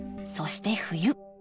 そして冬。